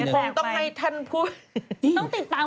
ผมต้องให้ท่านพูด